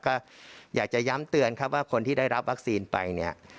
ก็อยากจะย้ำเตือนครับว่าคนที่ได้รับวัคซีนไปเนี่ย